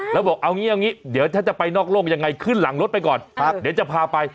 แล้วบอกเอางี้เดี๋ยวถ้าจะไปนอกโลกยังไงขึ้นหลังรถไปก่อนเดี๋ยวจะพาไป